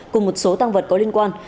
cùng một số tăng vật có liên quan